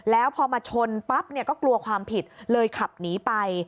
แล้วพอมาชนปั๊บเนี่ยก็กลัวความผิดเลยขับหนีไป